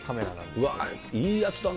うわ、いいやつだね。